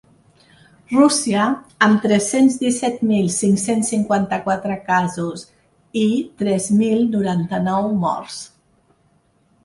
Rússia, amb tres-cents disset mil cinc-cents cinquanta-quatre casos i tres mil noranta-nou morts.